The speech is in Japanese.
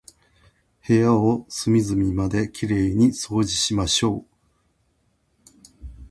部屋を隅々まで綺麗に掃除しましょう。